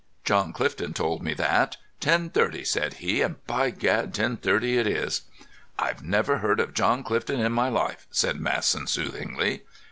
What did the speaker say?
John Clifton told me that. 'Ten thirty,' said he, and, by gad, ten thirty it is." "I've never heard of John Clifton in my life," said Masson soothingly.